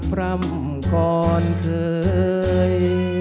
พร่ำก่อนเคย